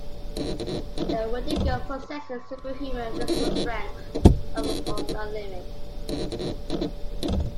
The Wendigo possesses superhuman physical strength of an unknown limit.